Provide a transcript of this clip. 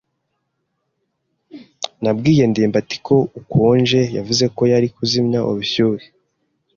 Nabwiye ndimbati ko ukonje. Yavuze ko yari kuzimya ubushyuhe.